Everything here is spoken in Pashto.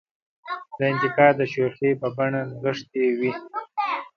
دا انتقاد د شوخۍ په بڼه نغښتې وي.